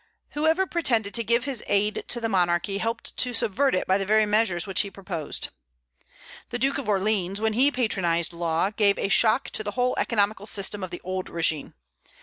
Whoever pretended to give his aid to the monarchy helped to subvert it by the very measures which he proposed. "The Duke of Orleans, when he patronized Law, gave a shock to the whole economical system of the old regime.